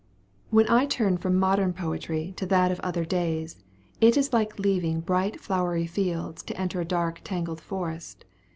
When I turn from modern poetry to that of other days, it is like leaving bright flowery fields to enter a dark tangled forest.